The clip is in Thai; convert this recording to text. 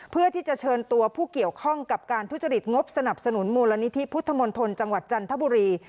เพื่อที่จะเชิญตัวผู้เกี่ยวข้องกับการทุจริตงบสนับสนุนมูลนิธิพุทธมนตรจังหวัดจันทบุรี